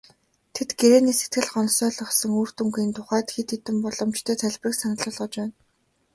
Тэд гэрээний сэтгэл гонсойлгосон үр дүнгийн тухайд хэд хэдэн боломжтой тайлбарыг санал болгож байна.